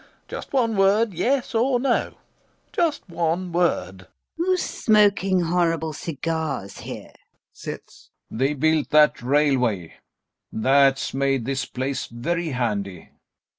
Just one word, yes or no? Just one word! LUBOV. Who's smoking horrible cigars here? [Sits.] GAEV. They built that railway; that's made this place very handy.